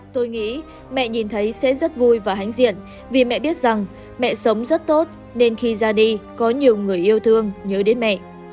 tôi nghĩ mẹ nhìn thấy sẽ rất vui và hãnh diện vì mẹ biết rằng mẹ sống rất tốt nên khi ra đi có nhiều người yêu thương nhớ đến mẹ